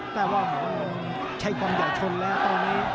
แต่ว่าใช้ความอย่าชนละตอนนี้